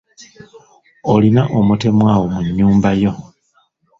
Olina omutemu awo mu nnyumba yo.